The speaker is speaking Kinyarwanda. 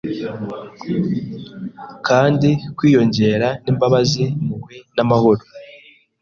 Kandi kwiyongera Nimbabazi impuhwe namahoro